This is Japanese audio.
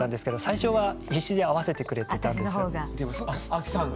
アキさんが？